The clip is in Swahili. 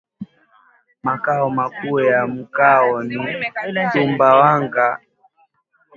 Makao makuu ya mkoa ni Sumbawanga